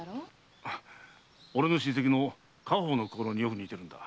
俺の親戚の家宝の香炉によく似てるんだ。